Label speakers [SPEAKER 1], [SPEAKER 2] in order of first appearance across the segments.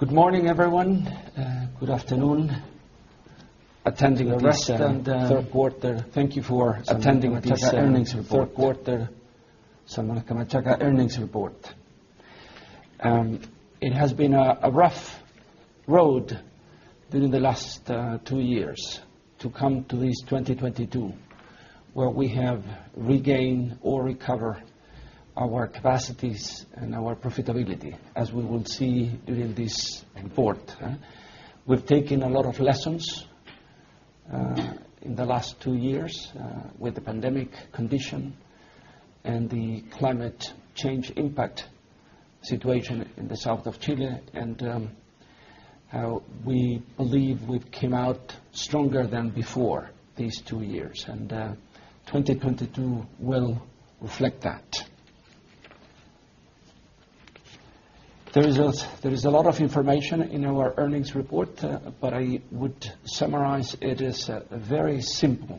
[SPEAKER 1] Good morning, everyone. Good afternoon. Thank you for attending this third quarter Salmones Camanchaca Earnings Report. It has been a rough road during the last two years to come to this 2022, where we have regained or recover our capacities and our profitability, as we will see during this report, huh? We've taken a lot of lessons in the last two years with the pandemic condition and the climate change impact situation in the south of Chile, and how we believe we've came out stronger than before these two years, 2022 will reflect that. There is a lot of information in our earnings report, but I would summarize it as a very simple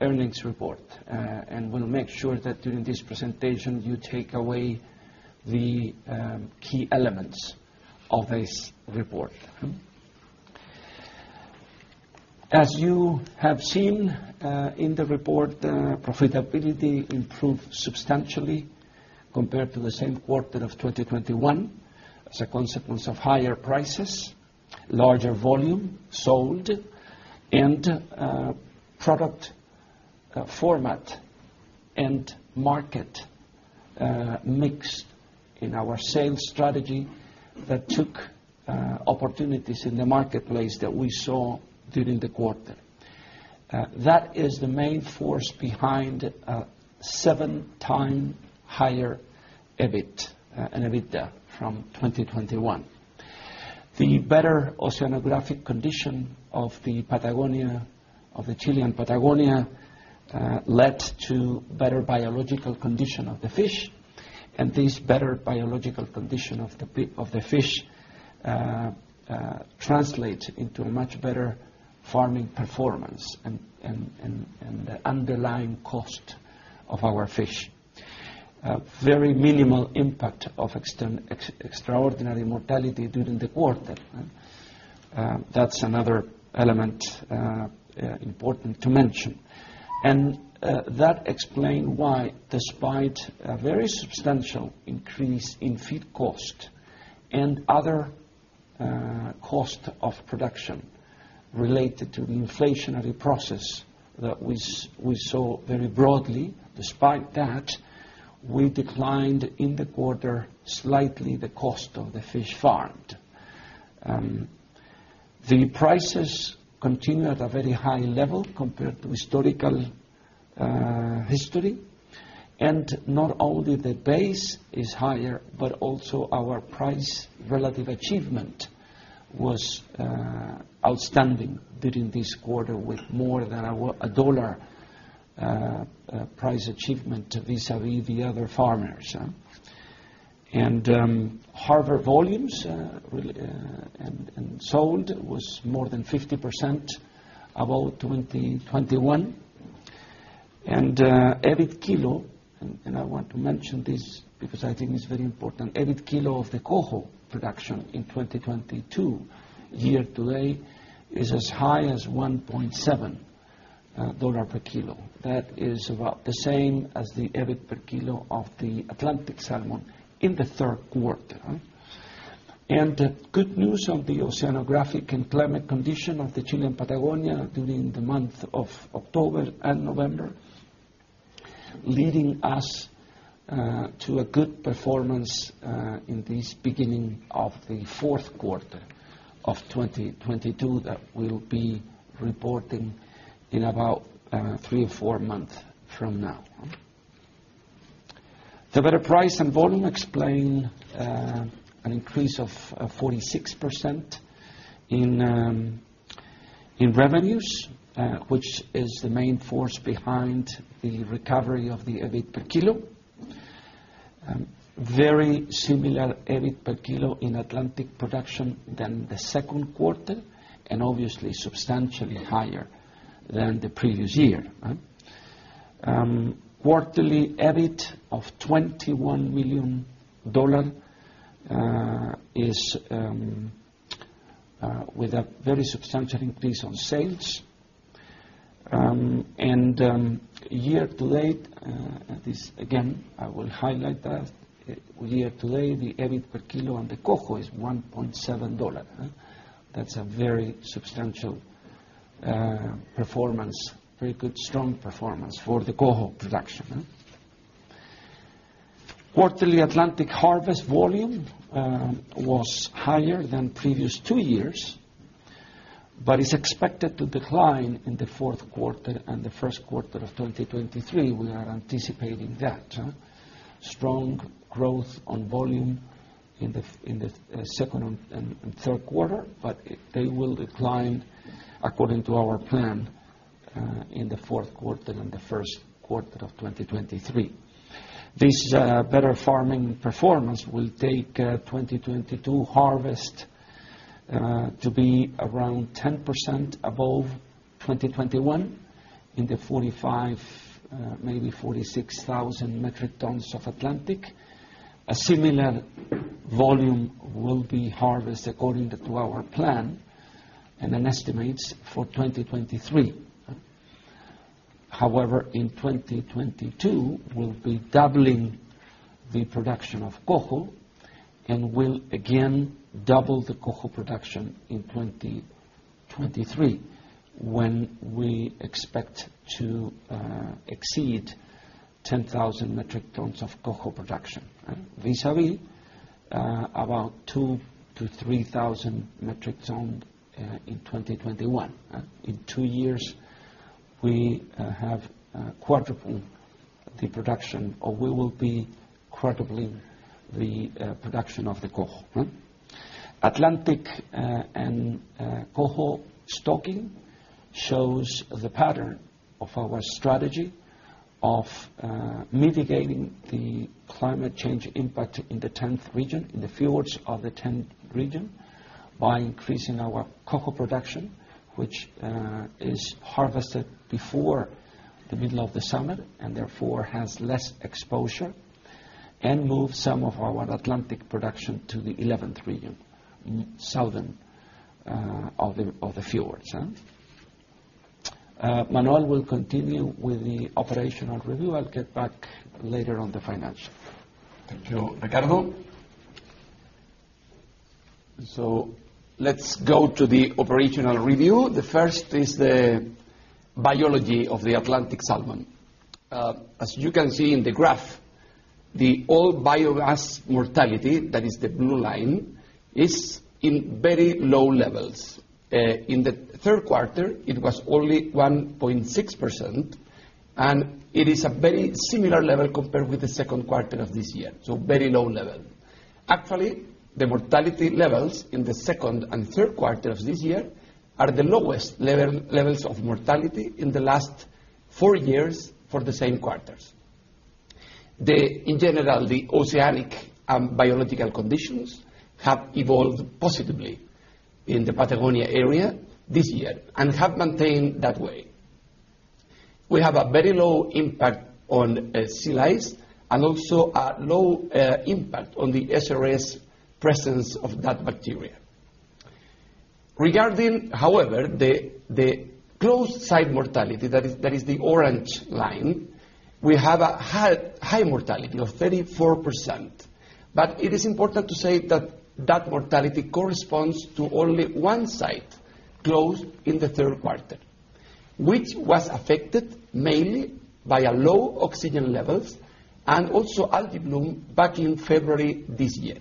[SPEAKER 1] earnings report. We'll make sure that during this presentation, you take away the key elements of this report. As you have seen in the report, profitability improved substantially compared to the same quarter of 2021 as a consequence of higher prices, larger volume sold, and product format and market mix in our sales strategy that took opportunities in the marketplace that we saw during the quarter. That is the main force behind a 7x higher EBIT and EBITDA from 2021. The better oceanographic condition of the Chilean Patagonia led to better biological condition of the fish, and this better biological condition of the fish translate into a much better farming performance and the underlying cost of our fish. A very minimal impact of extraordinary mortality during the quarter. That's another element important to mention. That explain why despite a very substantial increase in feed cost and other cost of production related to the inflationary process that we saw very broadly, despite that, we declined in the quarter slightly the cost of the fish farmed. The prices continue at a very high level compared to historical history. Not only the base is higher, but also our price relative achievement was outstanding during this quarter, with more than $1 price achievement vis-à-vis the other farmers. Harvest volumes and sold was more than 50% above 2021. I want to mention this because I think it's very important, EBIT kilo of the Coho production in 2022 year to date is as high as $1.7 per kilo. That is about the same as the EBIT per kilo of the Atlantic salmon in the third quarter, huh? The good news on the oceanographic and climate condition of the Chilean Patagonia during the month of October and November, leading us to a good performance in this beginning of the fourth quarter of 2022 that we'll be reporting in about three or four months from now. The better price and volume explain an increase of 46% in revenues, which is the main force behind the recovery of the EBIT per kilo. Very similar EBIT per kilo in Atlantic production than the second quarter, and obviously substantially higher than the previous year. Quarterly EBIT of $21 million is with a very substantial increase on sales. Year to date, this, again, I will highlight that year to date, the EBIT per kilo on the Coho is $1.7. That's a very substantial performance, very good strong performance for the Coho production. Quarterly Atlantic harvest volume was higher than previous two years, but is expected to decline in the fourth quarter and the first quarter of 2023. We are anticipating that. Strong growth on volume in the second and third quarter, but they will decline according to our plan in the fourth quarter and the first quarter of 2023. This better farming performance will take 2022 harvest to be around 10% above 2021 in the 45, maybe 46,000 metric tons of Atlantic. A similar volume will be harvested according to our plan and then estimates for 2023. However, in 2022, we'll be doubling the production of Coho and we'll again double the Coho production in 2023, when we expect to exceed 10,000 metric tons of Coho production. Vis-a-vis about 2,000-3,000 metric ton in 2021. In two years, we have quadrupled the production, or we will be quadrupling the production of the Coho. Atlantic and Coho stocking shows the pattern of our strategy of mitigating the climate change impact in the 10th region, in the fjords of the 10th region, by increasing our Coho production, which is harvested before the middle of the summer, and therefore has less exposure, and move some of our Atlantic production to the 11th region, southern of the fjords. Manuel will continue with the operational review. I'll get back later on the financial.
[SPEAKER 2] Thank you, Ricardo. Let's go to the operational review. The first is the biology of the Atlantic salmon. As you can see in the graph, the all biomass mortality, that is the blue line, is in very low levels. In the third quarter, it was only 1.6%, and it is a very similar level compared with the second quarter of this year. Very low level. Actually, the mortality levels in the second and third quarters this year are the lowest levels of mortality in the last four years for the same quarters. In general, the oceanic and biological conditions have evolved positively in the Patagonia area this year and have maintained that way. We have a very low impact on sea lice and also a low impact on the SRS presence of that bacteria. Regarding, however, the closed site mortality, that is the orange line, we have a high mortality of 34%. It is important to say that that mortality corresponds to only one site closed in the third quarter, which was affected mainly by low oxygen levels and also algae bloom back in February this year.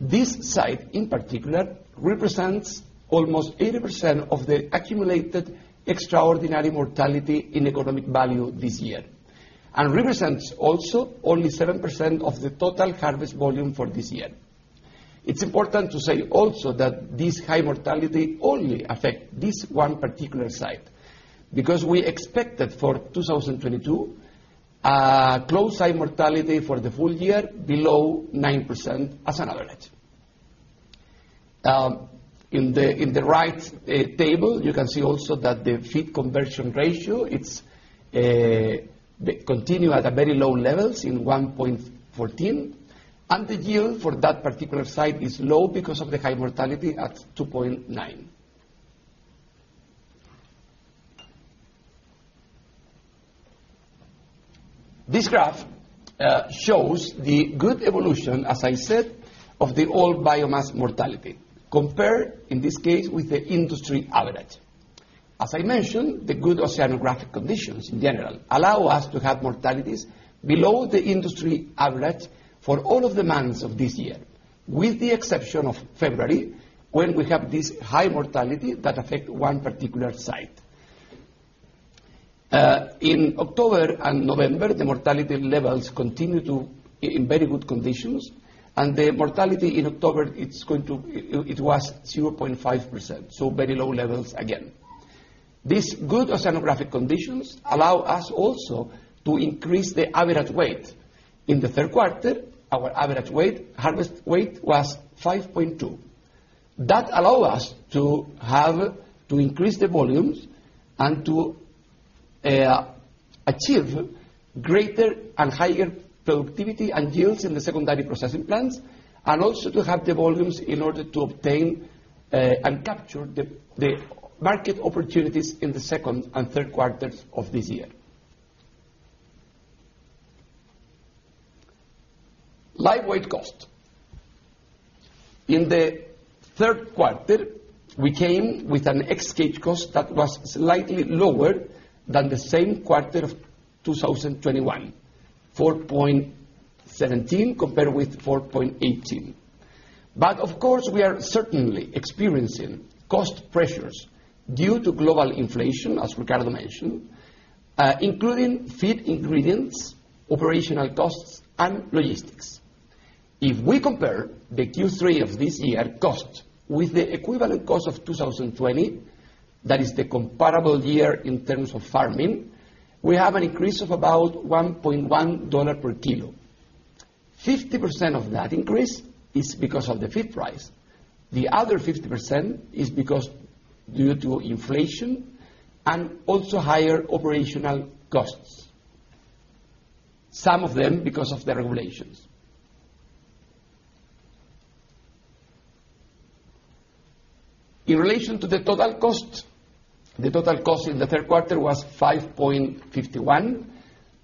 [SPEAKER 2] This site, in particular, represents almost 80% of the accumulated extraordinary mortality in economic value this year, and represents also only 7% of the total harvest volume for this year. It's important to say also that this high mortality only affect this one particular site, because we expected for 2022 a closed site mortality for the full year below 9% as an average. In the right table, you can see also that the feed conversion ratio. They continue at a very low levels in 1.14%, and the yield for that particular site is low because of the high mortality at 2.9%. This graph shows the good evolution, as I said, of the all biomass mortality compared, in this case, with the industry average. As I mentioned, the good oceanographic conditions in general allow us to have mortalities below the industry average for all of the months of this year, with the exception of February, when we have this high mortality that affect one particular site. In October and November, the mortality levels continue to in very good conditions, and the mortality in October, it was 0.5%, so very low levels again. These good oceanographic conditions allow us also to increase the average weight. In the third quarter, our average harvest weight was 5.2. That allow us to increase the volumes and to achieve greater and higher productivity and yields in the secondary processing plants, and also to have the volumes in order to obtain and capture the market opportunities in the second and third quarters of this year. Live weight cost. In the third quarter, we came with an ex-cage cost that was slightly lower than the same quarter of 2021, $4.17 compared with $4.18. Of course, we are certainly experiencing cost pressures due to global inflation, as Ricardo mentioned, including feed ingredients, operational costs, and logistics. If we compare the Q3 of this year cost with the equivalent cost of 2020, that is the comparable year in terms of farming, we have an increase of about $1.1 per kilo. 50% of that increase is because of the feed price. The other 50% is because due to inflation and also higher operational costs, some of them because of the regulations. In relation to the total cost, the total cost in the third quarter was $5.51,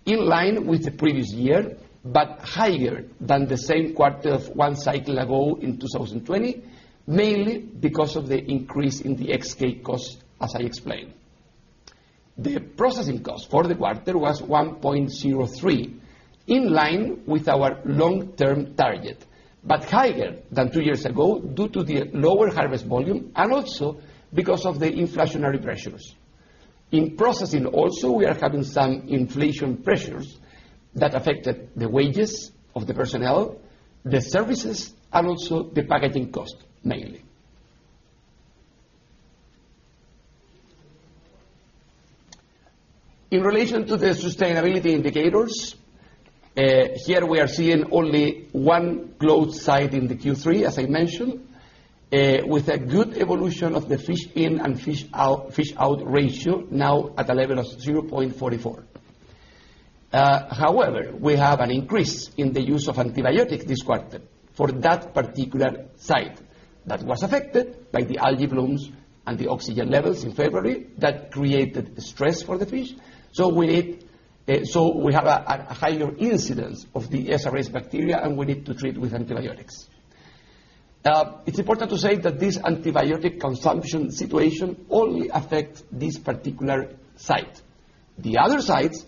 [SPEAKER 2] in line with the previous year, but higher than the same quarter of one cycle ago in 2020, mainly because of the increase in the ex-cage costs, as I explained. The processing cost for the quarter was one point zero three, in line with our long-term target, but higher than two years ago due to the lower harvest volume and also because of the inflationary pressures. In processing also, we are having some inflation pressures that affected the wages of the personnel, the services, and also the packaging cost, mainly. In relation to the sustainability indicators, uh, here we are seeing only one closed site in the Q3, as I mentioned, uh, with a good evolution of the fish in and fish out, fish out ratio now at a level of 0.44. Uh, however, we have an increase in the use of antibiotic this quarter for that particular site that was affected by the algae blooms and the oxygen levels in February that created stress for the fish. We have a higher incidence of the SRS bacteria, and we need to treat with antibiotics. It's important to say that this antibiotic consumption situation only affect this particular site. The other sites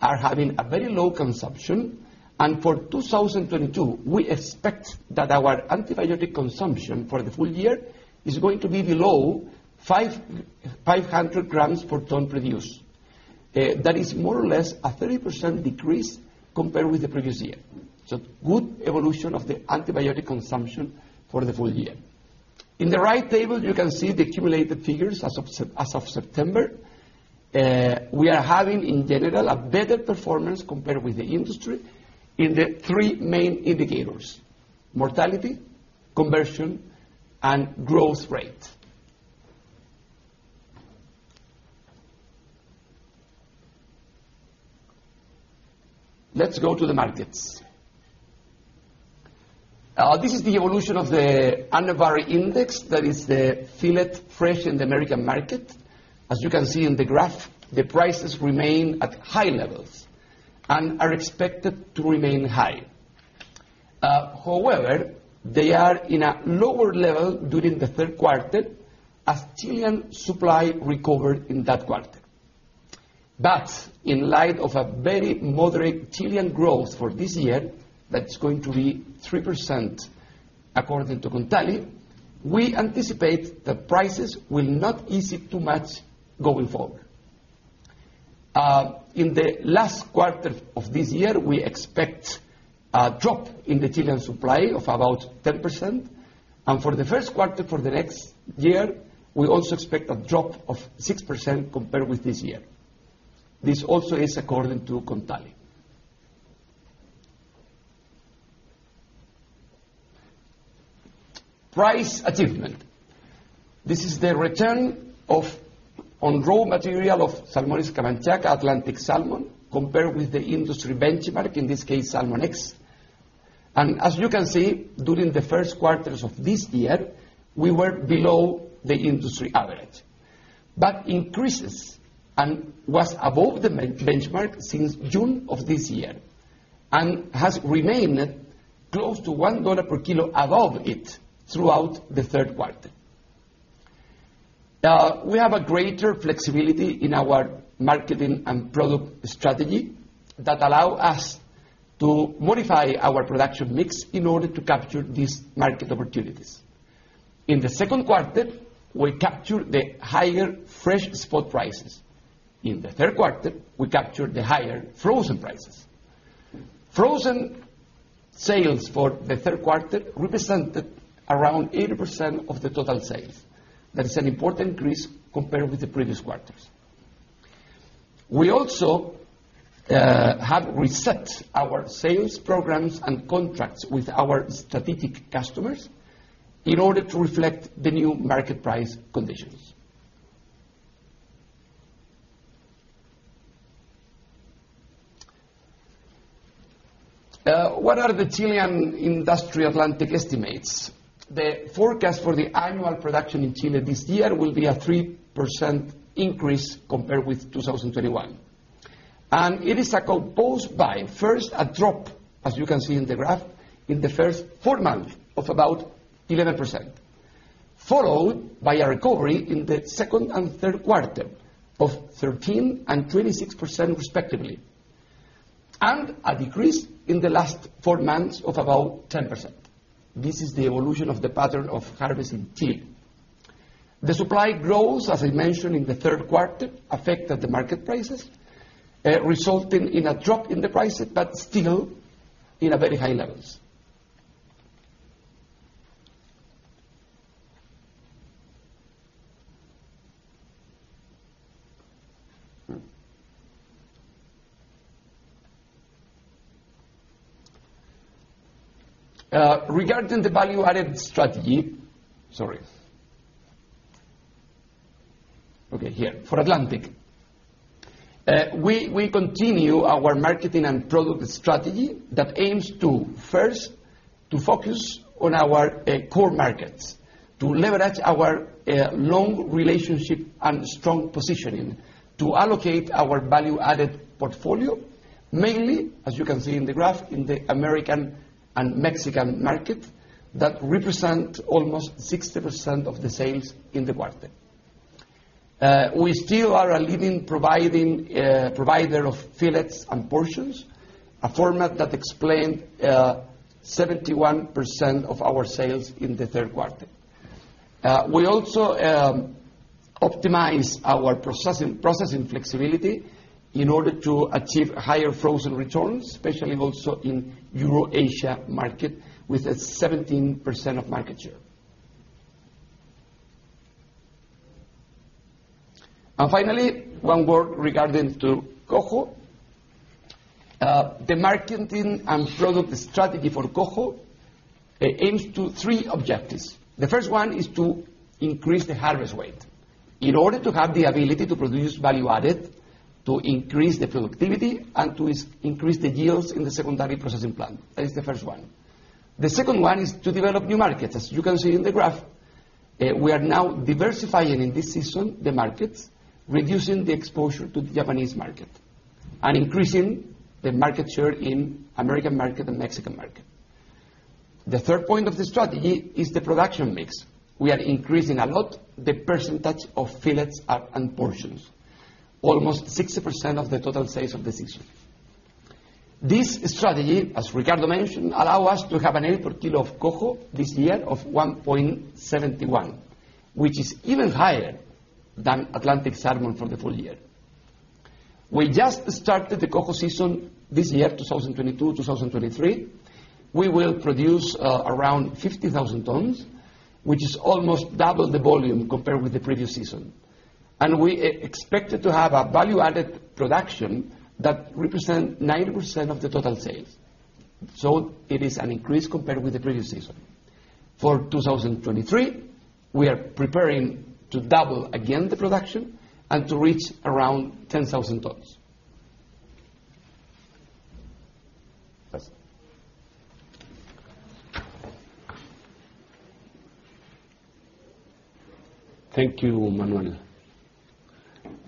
[SPEAKER 2] are having a very low consumption, and for 2022, we expect that our antibiotic consumption for the full year is going to be below 500 grams per ton produced. That is more or less a 30% decrease compared with the previous year. Good evolution of the antibiotic consumption for the full year. In the right table, you can see the accumulated figures as of September. We are having, in general, a better performance compared with the industry in the three main indicators, mortality, conversion, and growth rate. Let's go to the markets. This is the evolution of the Urner Barry index, that is the fillet fresh in the American market. As you can see in the graph, the prices remain at high levels and are expected to remain high. However, they are in a lower level during the third quarter as Chilean supply recovered in that quarter. In light of a very moderate Chilean growth for this year, that's going to be 3% according to Kontali, we anticipate that prices will not ease too much going forward. In the last quarter of this year, we expect a drop in the Chilean supply of about 10%, and for the first quarter for the next year, we also expect a drop of 6% compared with this year. This also is according to Kontali. Price achievement. On raw material of Salmones Camanchaca Atlantic salmon compared with the industry benchmark, in this case, SalmonEx. As you can see, during the first quarters of this year, we were below the industry average, but increased and was above the benchmark since June of this year and has remained close to $1 per kilo above it throughout the third quarter. We have a greater flexibility in our marketing and product strategy that allow us to modify our production mix in order to capture these market opportunities. In the second quarter, we captured the higher fresh spot prices. In the third quarter, we captured the higher frozen prices. Frozen sales for the third quarter represented around 80% of the total sales. That is an important increase compared with the previous quarters. We also have reset our sales programs and contracts with our strategic customers in order to reflect the new market price conditions. What are the Chilean industry Atlantic estimates? The forecast for the annual production in Chile this year will be a 3% increase compared with 2021. It is composed by first a drop as you can see in the graph in the first four months of about 11%, followed by a recovery in the second and third quarter of 13% and 26% respectively, and a decrease in the last four months of about 10%. This is the evolution of the pattern of harvest in Chile. The supply growth, as I mentioned in the third quarter, affected the market prices, resulting in a drop in the prices, but still in a very high levels. Regarding the value-added strategy. Sorry. Okay, here. For Atlantic, we continue our marketing and product strategy that aims to, first, to focus on our core markets, to leverage our long relationship and strong positioning to allocate our value-added portfolio, mainly, as you can see in the graph, in the American and Mexican market, that represent almost 60% of the sales in the quarter. We still are a leading provider of fillets and portions, a format that explained 71% of our sales in the third quarter. We also optimize our processing flexibility in order to achieve higher frozen returns, especially also in Euro-Asia market, with a 17% of market share. Finally, one word regarding to Coho. The marketing and product strategy for Coho, it aims to three objectives. The first one is to increase the harvest weight in order to have the ability to produce value-added, to increase the productivity, and to increase the yields in the secondary processing plant. That is the first one. The second one is to develop new markets. As you can see in the graph, we are now diversifying in this season the markets, reducing the exposure to the Japanese market and increasing the market share in American market and Mexican market. The third point of the strategy is the production mix. We are increasing a lot the percentage of fillets and portions, almost 60% of the total sales of the season. This strategy, as Ricardo mentioned, allow us to have an EBIT per kilo of Coho this year of $1.71, which is even higher than Atlantic salmon for the full year. We just started the Coho season this year, 2022-2023. We will produce around 50,000 tons, which is almost double the volume compared with the previous season. We expect to have a value-added production that represent 90% of the total sales. It is an increase compared with the previous season. For 2023, we are preparing to double again the production and to reach around 10,000 tons. That's it.
[SPEAKER 1] Thank you, Manuel.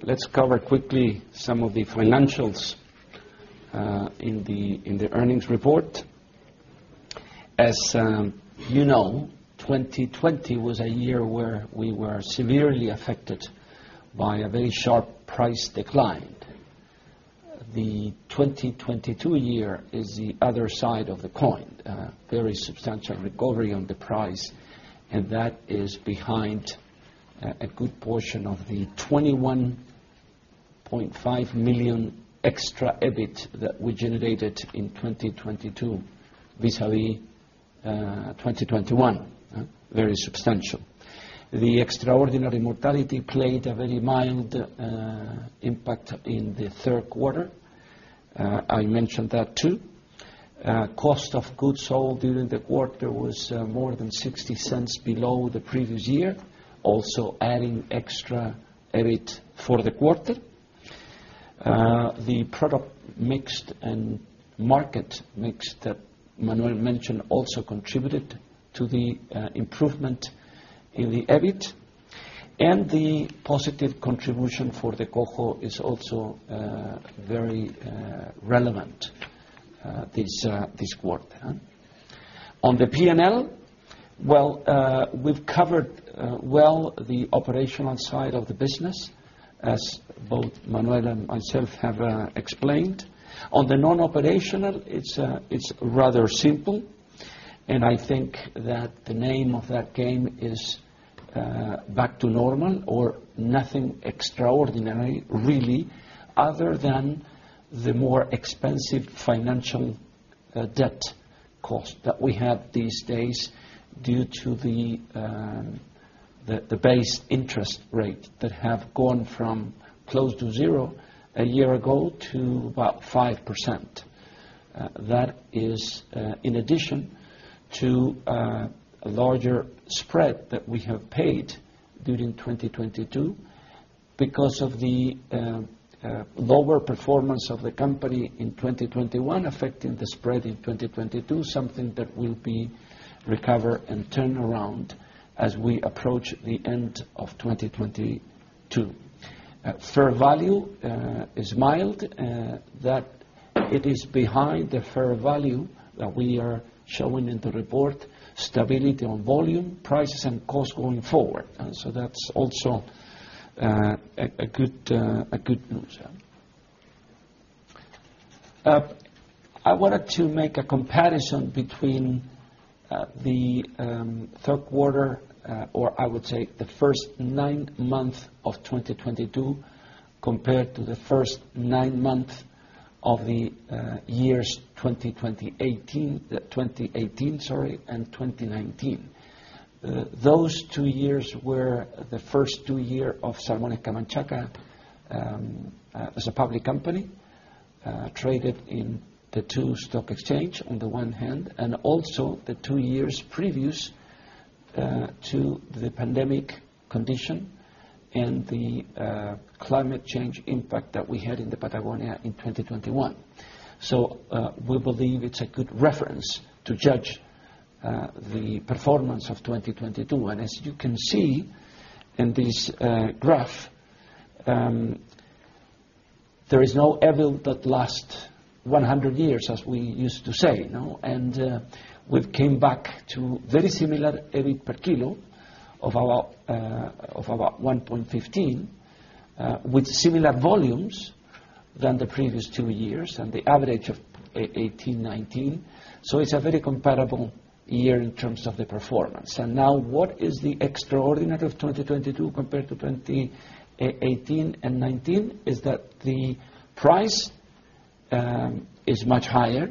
[SPEAKER 1] Let's cover quickly some of the financials in the earnings report. As you know, 2020 was a year where we were severely affected by a very sharp price decline. The 2022 year is the other side of the coin, very substantial recovery on the price, and that is behind a good portion of the $21.5 million extra EBIT that we generated in 2022 vis-à-vis 2021. Very substantial. The extraordinary mortality played a very mild impact in the third quarter. I mentioned that too. Cost of goods sold during the quarter was more than $0.60 below the previous year, also adding extra EBIT for the quarter. The product mix and market mix that Manuel mentioned also contributed to the improvement in the EBIT. The positive contribution for the Coho is also very relevant this quarter. On the P&L, well, we've covered well the operational side of the business, as both Manuel and myself have explained. On the non-operational, it's rather simple, and I think that the name of that game is back to normal or nothing extraordinary really other than the more expensive financial debt cost that we have these days due to the base interest rate that have gone from close to 0 a year ago to about 5%. That is in addition to a larger spread that we have paid during 2022 because of the lower performance of the company in 2021 affecting the spread in 2022, something that will be recover and turn around as we approach the end of 2022. Fair value is mild that it is behind the fair value that we are showing in the report, stability on volume, prices, and cost going forward. That's also a good news. I wanted to make a comparison between the third quarter or I would say the first nine month of 2022 compared to the first nine month of the years 2018, sorry, and 2019. Those two years were the first two year of Salmones Camanchaca as a public company traded in the two stock exchange on the one hand, and also the two years previous to the pandemic condition and the climate change impact that we had in the Patagonia in 2021. We believe it's a good reference to judge the performance of 2022. As you can see in this graph, there is no evil that lasts 100 years, as we used to say, no? We've came back to very similar EBIT per kilo of about $1.15 with similar volumes than the previous two years and the average of 2018, 2019. It's a very comparable year in terms of the performance. Now what is the extraordinary of 2022 compared to 2018 and 2019 is that the price is much higher,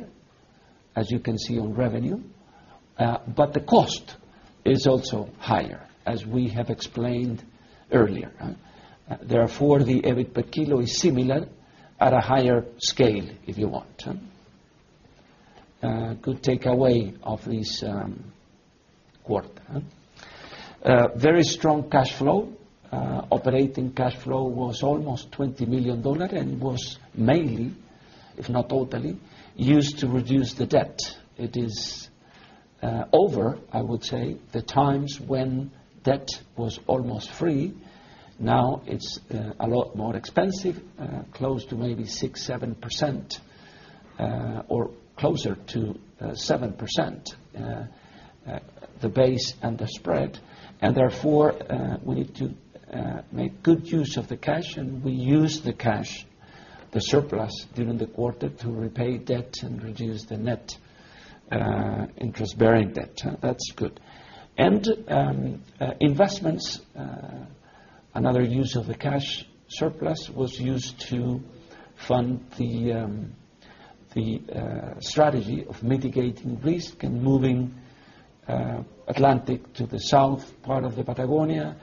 [SPEAKER 1] as you can see on revenue. The cost is also higher, as we have explained earlier. Therefore, the EBIT per kilo is similar at a higher scale, if you want. Good takeaway of this quarter. Very strong cash flow. Operating cash flow was almost $20 million and was mainly, if not totally, used to reduce the debt. It is over, I would say, the times when debt was almost free. Now it's a lot more expensive, close to maybe 6%-7%, or closer to 7% the base and the spread. Therefore, we need to make good use of the cash, and we use the surplus during the quarter to repay debt and reduce the net interest-bearing debt. That's good. Another use of the cash surplus was used to fund the strategy of mitigating risk and moving Atlantic to the south part of the Patagonia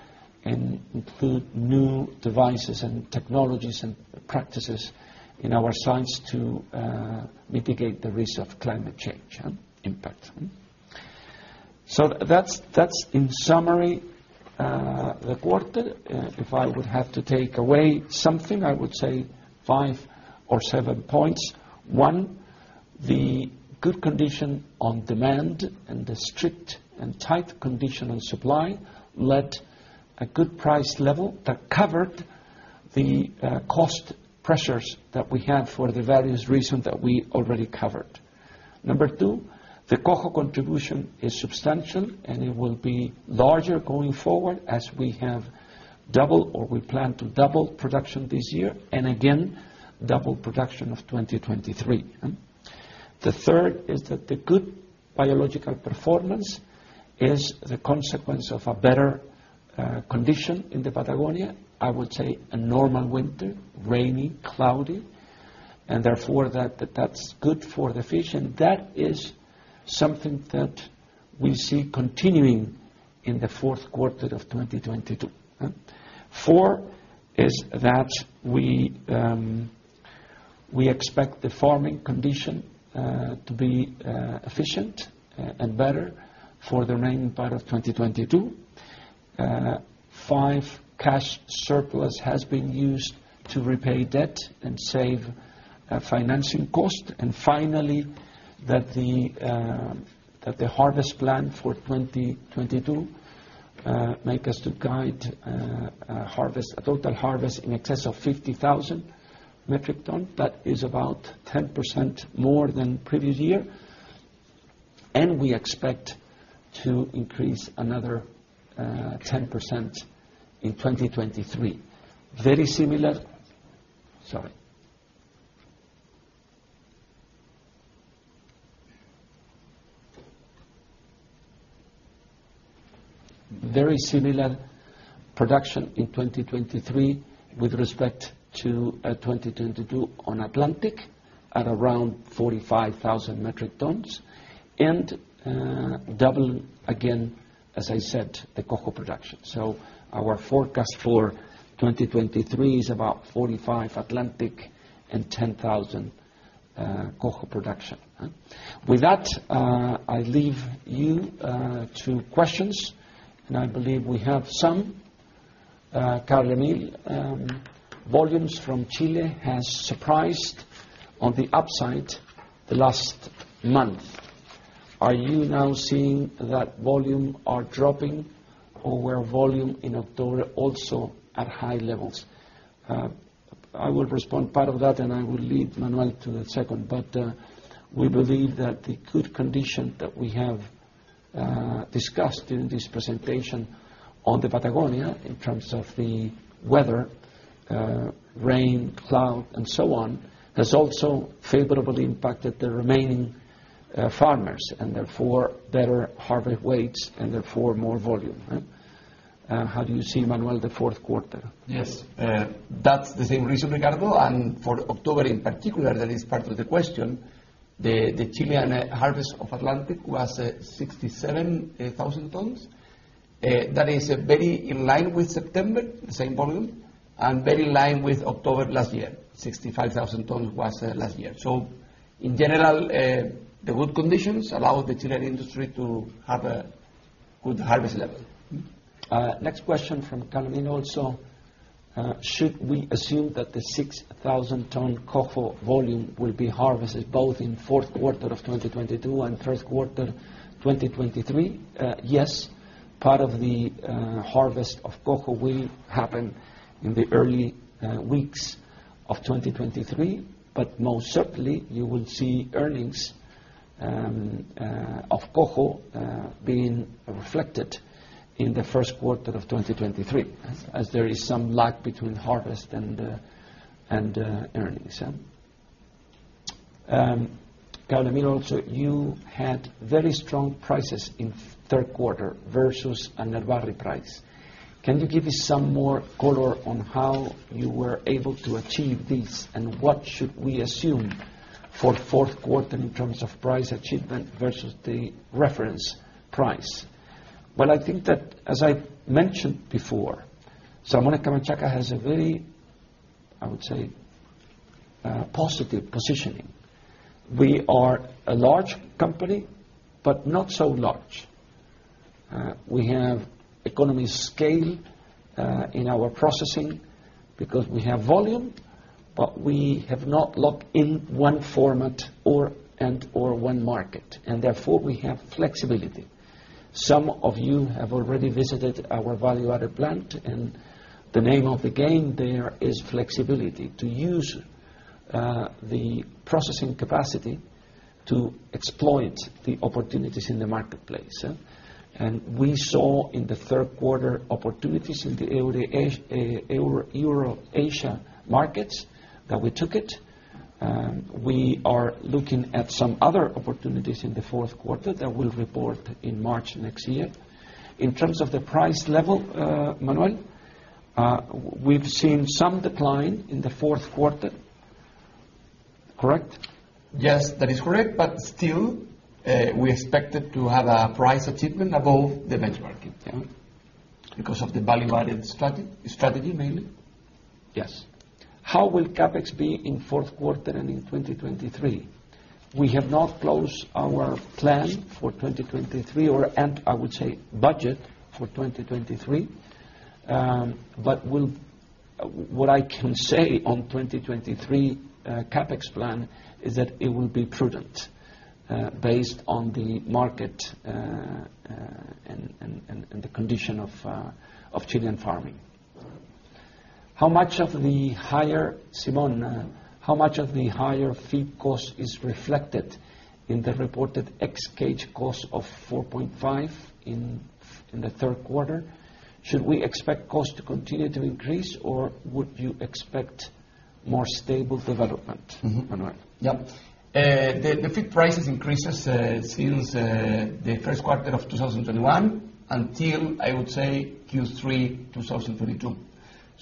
[SPEAKER 1] and include new devices and technologies and practices in our science to mitigate the risk of climate change impact. That's in summary the quarter. If I would have to take away something, I would say five or seven points. One, the good condition on demand and the strict and tight condition on supply led a good price level that covered the cost pressures that we had for the various reasons that we already covered. Number two, the Coho contribution is substantial, and it will be larger going forward as we plan to double production this year, and again, double production of 2023, huh? The third is that the good biological performance is the consequence of a better condition in the Patagonia. I would say a normal winter, rainy, cloudy, and therefore that's good for the fish. That is something that we see continuing in the fourth quarter of 2022, huh? Four is that we expect the farming condition to be efficient and better for the remaining part of 2022. Five, cash surplus has been used to repay debt and save financing cost. Finally, that the harvest plan for 2022 make us to guide a harvest, a total harvest in excess of 50,000 metric ton. That is about 10% more than previous year, and we expect to increase another 10% in 2023. Very similar production in 2023 with respect to 2022 on Atlantic at around 45,000 metric tons and double again, as I said, the Coho production. Our forecast for 2023 is about 45 Atlantic and 10,000 Coho production. With that, I leave you to questions, and I believe we have some. Carl-Emil, volumes from Chile has surprised on the upside the last month. Are you now seeing that volume are dropping or were volume in October also at high levels? I will respond part of that, and I will leave Manuel to the second. We believe that the good condition that we have discussed in this presentation on the Patagonia in terms of the weather, rain, cloud, and so on, has also favorably impacted the remaining farmers, and therefore better harvest weights, and therefore more volume, huh? How do you see, Manuel, the fourth quarter?
[SPEAKER 2] Yes. That's the same reason, Ricardo. For October in particular, that is part of the question, the Chilean harvest of Atlantic was 67,000 tons. That is very in line with September, the same volume, and very in line with October last year. 65,000 tons was last year. In general, the good conditions allow the Chilean industry to have a good harvest level.
[SPEAKER 1] Next question from Carl-Emil Kjølås Johannessen also, should we assume that the 6,000 ton Coho volume will be harvested both in fourth quarter of 2022 and first quarter 2023? Yes. Part of the harvest of Coho will happen in the early weeks of 2023, but most certainly you will see earnings of Coho being reflected in the first quarter of 2023 as there is some lag between harvest and earnings, yeah. Carl-Emil Kjølås Johannessen also, you had very strong prices in third quarter versus a Urner Barry price. Can you give me some more color on how you were able to achieve this and what should we assume for fourth quarter in terms of price achievement versus the reference price? Well, I think that, as I mentioned before, Salmones Camanchaca has a very, I would say, positive positioning. We are a large company, but not so large. We have economy scale in our processing because we have volume, but we have not locked in one format or one market, and therefore we have flexibility. Some of you have already visited our value-added plant, and the name of the game there is flexibility to use the processing capacity to exploit the opportunities in the marketplace. We saw in the third quarter opportunities in the Euro-Asia markets that we took it. We are looking at some other opportunities in the fourth quarter that we'll report in March next year. In terms of the price level, Manuel, we've seen some decline in the fourth quarter, correct?
[SPEAKER 2] Yes, that is correct. Still, we expected to have a price achievement above the benchmarking.
[SPEAKER 1] Because of the value-added strategy mainly?
[SPEAKER 2] Yes.
[SPEAKER 1] How will CapEx be in fourth quarter and in twenty twenty-three? We have not closed our plan for twenty twenty-three or, and I would say budget for twenty twenty-three. Um, but we'll... What I can say on twenty twenty-three, uh, CapEx plan is that it will be prudent, uh, based on the market, uh, and, and the condition of, uh, of Chilean farming. How much of the higher... Simone, how much of the higher feed cost is reflected in the reported ex-cage cost of four point five in the third quarter? Should we expect costs to continue to increase, or would you expect more stable development, Manuel?
[SPEAKER 2] Mm-hmm. Yeah. The feed prices increases since the first quarter of 2021 until, I would say, Q3 2022.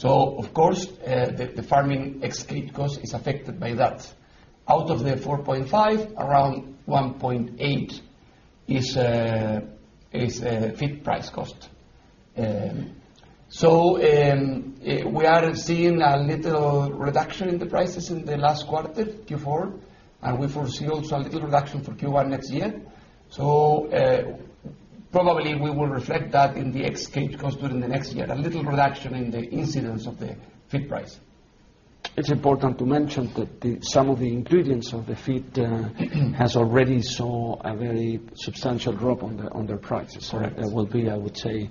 [SPEAKER 2] Of course, the farming ex-cage cost is affected by that. Out of the $4.5, around $1.8 is feed price cost. We are seeing a little reduction in the prices in the last quarter, Q4, and we foresee also a little reduction for Q1 next year. Probably we will reflect that in the ex-cage cost during the next year, a little reduction in the incidence of the feed price.
[SPEAKER 1] It's important to mention that some of the ingredients of the feed has already saw a very substantial drop on their prices.
[SPEAKER 2] Correct.
[SPEAKER 1] That will be, I would say,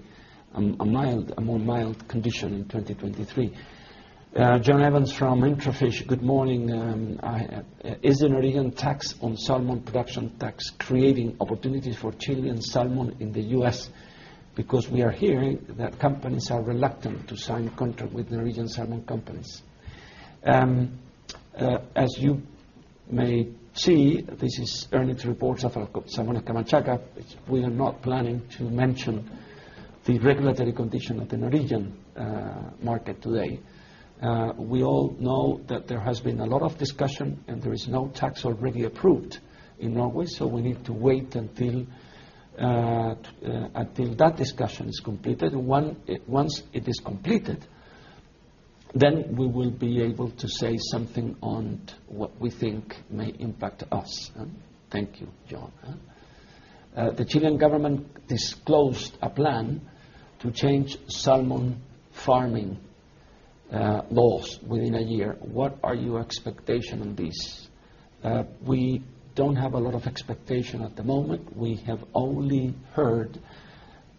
[SPEAKER 1] a more mild condition in 2023. John Evans from IntraFish, good morning. Is the Norwegian tax on salmon production tax creating opportunities for Chilean salmon in the U.S.? Because we are hearing that companies are reluctant to sign contract with Norwegian salmon companies. As you may see, this is earnings reports of Salmones Camanchaca. We are not planning to mention the regulatory condition of the Norwegian market today. We all know that there has been a lot of discussion, and there is no tax already approved in Norway, so we need to wait until that discussion is completed. Once it is completed, then we will be able to say something on what we think may impact us. Thank you, John. The Chilean government disclosed a plan to change salmon farming laws within a year. What are your expectation on this? We don't have a lot of expectation at the moment. We have only heard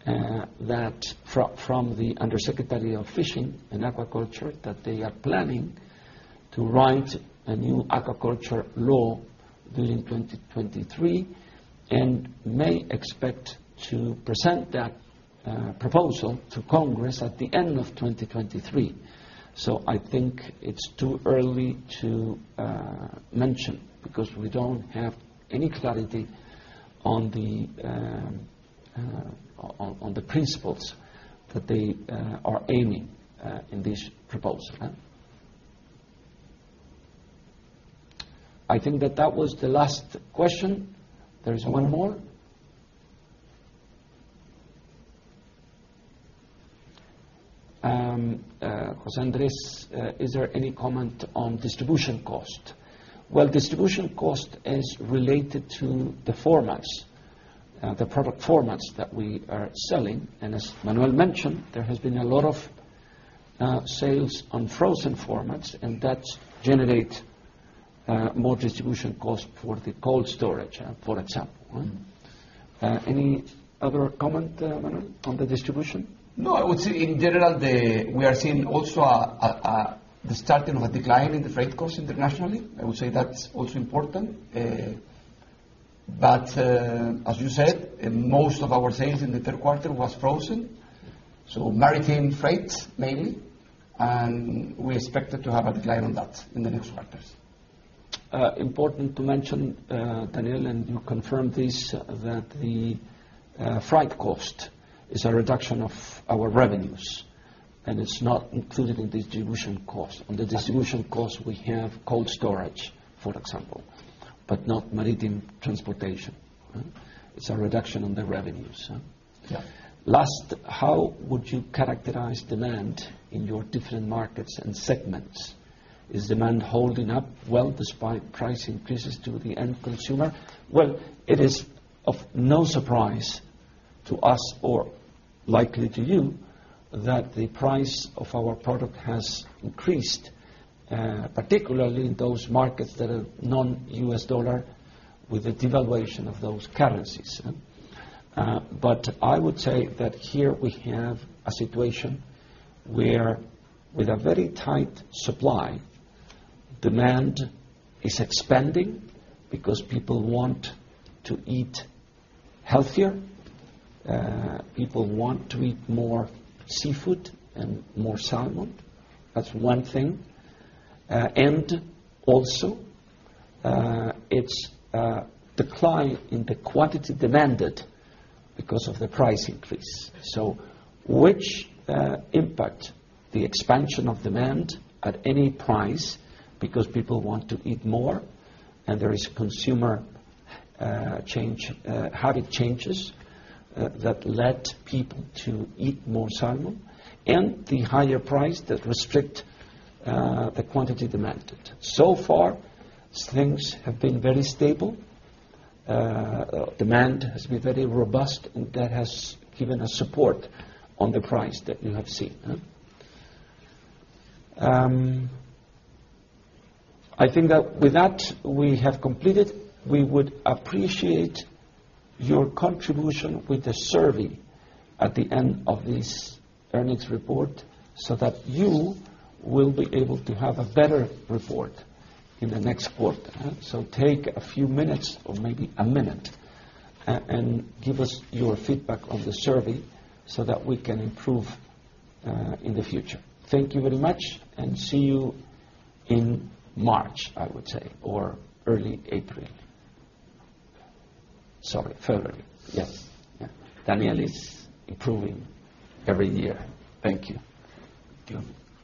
[SPEAKER 1] that from the Undersecretary of Fisheries and Aquaculture that they are planning to write a new aquaculture law during 2023. May expect to present that proposal to Congress at the end of 2023. I think it's too early to mention because we don't have any clarity on the principles that they are aiming in this proposal. I think that that was the last question. There is one more. José Andrés, is there any comment on distribution cost? Well, distribution cost is related to the formats, the product formats that we are selling. As Manuel mentioned, there has been a lot of sales on frozen formats, and that generate more distribution costs for the cold storage, for example. Any other comment, Manuel, on the distribution?
[SPEAKER 2] No, I would say in general, we are seeing also the starting of a decline in the freight costs internationally. I would say that's also important. As you said, most of our sales in the third quarter was frozen, so maritime freights, mainly, and we expected to have a decline on that in the next quarters.
[SPEAKER 1] Important to mention, Daniel, and you confirmed this, that the freight cost is a reduction of our revenues, and it's not included in distribution costs. On the distribution costs, we have cold storage, for example, but not maritime transportation. It's a reduction on the revenues.
[SPEAKER 3] Yeah.
[SPEAKER 1] Last, how would you characterize demand in your different markets and segments? Is demand holding up well despite price increases to the end consumer? Well, it is of no surprise to us or likely to you that the price of our product has increased, particularly in those markets that are non-U.S. dollar with the devaluation of those currencies. I would say that here we have a situation where with a very tight supply, demand is expanding because people want to eat healthier, people want to eat more seafood and more salmon. That's one thing. It's a decline in the quantity demanded because of the price increase. Which impact the expansion of demand at any price because people want to eat more and there is consumer habit changes that led people to eat more salmon and the higher price that restrict the quantity demanded. So far, things have been very stable. Demand has been very robust, and that has given us support on the price that you have seen. I think that with that, we have completed. We would appreciate your contribution with the survey at the end of this earnings report, so that you will be able to have a better report in the next quarter. Take a few minutes or maybe a minute and give us your feedback on the survey so that we can improve in the future. Thank you very much and see you in March, I would say, or early April. Sorry, February. Yes. Yeah. Daniel is improving every year. Thank you.
[SPEAKER 3] Thank you.